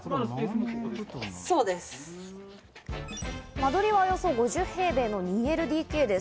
間取りはおよそ５０平米の２ＬＤＫです。